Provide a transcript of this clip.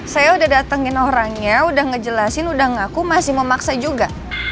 saya udah datengin orangnya udah ngejelasin udah ngaku masih memaksa juga